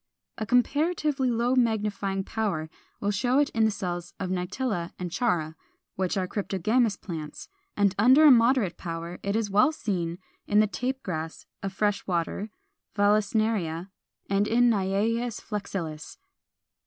A comparatively low magnifying power will show it in the cells of Nitella and Chara (which are cryptogamous plants); and under a moderate power it is well seen in the Tape Grass of fresh water, Vallisneria, and in Naias flexilis (Fig.